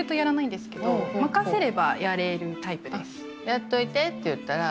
やっといてって言ったら。